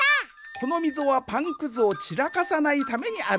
このみぞはパンくずをちらかさないためにあるんじゃ。